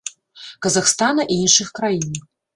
Казахстана і іншых краін.